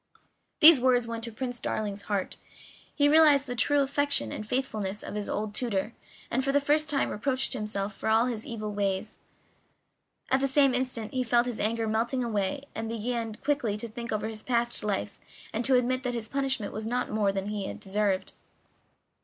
These words went to Prince Darling's heart; he realized the true affection and faithfulness of his old tutor, and for the first time reproached himself for all his evil deeds; at the same instant he felt all his anger melting away, and he began quickly to think over his past life, and to admit that his punishment was not more than he had deserved.